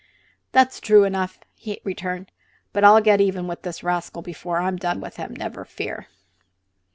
"That's true enough," he returned. "But I'll get even with this rascal before I've done with him, never fear."